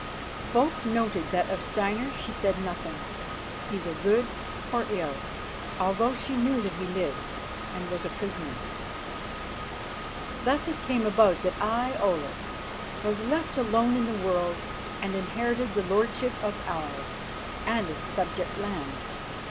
Folk noted that of Steinar she said nothing, either good or ill, although she knew that he lived and was a prisoner. Thus it came about that I, Olaf, was left alone in the world and inherited the lordship of Aar and its subject lands.